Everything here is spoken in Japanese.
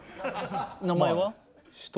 名前は？